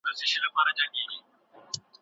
ریاضي په څېړنه کي مهم ځای لري.